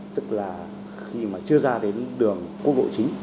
tức là khi mà chưa ra đến đường quốc vụ chính